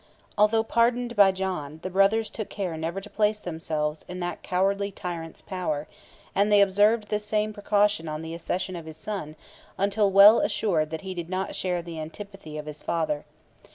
Although pardoned by John, the brothers took care never to place themselves in that cowardly tyrant's power, and they observed the same precaution on the accession of his son, until well assured that he did not share the antipathy of his father.